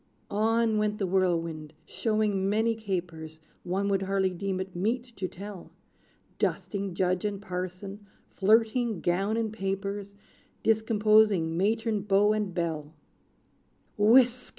On went the Whirlwind, showing many capers One would hardly deem it meet to tell; Dusting Judge and Parson flirting gown and papers, Discomposing matron, beau and belle. "Whisk!"